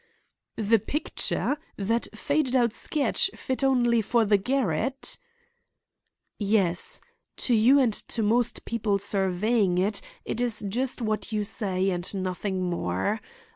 "The picture! that faded out sketch, fit only for the garret?" "Yes. To you and to most people surveying it, it is just what you say and nothing more.